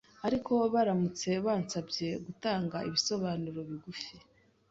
ariko baramutse bansabye gutanga ibisobanuro bigufi